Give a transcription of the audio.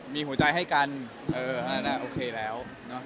มีหัวใจให้กันโอเคแล้ว